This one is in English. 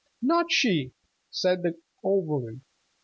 "Not she," said the old woman.